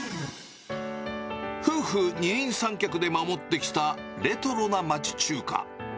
夫婦二人三脚で守ってきたレトロな町中華。